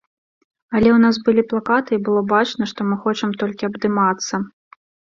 Але ў нас былі плакаты і было бачна, што мы хочам толькі абдымацца.